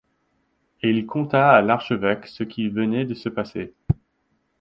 Et il conta à l'archevêque ce qui venait de se passer.